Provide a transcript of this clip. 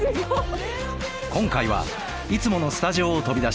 今回はいつものスタジオを飛び出し